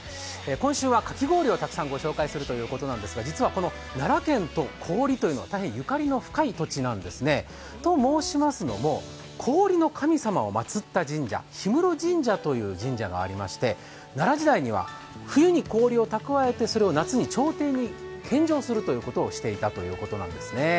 今週はかき氷をたくさんご紹介するということなんですが実は奈良県と氷というのは、大変ゆかりの深い土地なんですね。と申しますのも氷の神様を祭った神社、氷室神社という神社がありまして奈良時代には冬に氷を蓄えて、それを夏に朝廷に献上するということをしていたそうです。